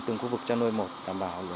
từng khu vực cho nuôi một đảm bảo